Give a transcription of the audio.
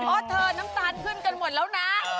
เพราะเธอน้ำตาลขึ้นกันหมดแล้วนะ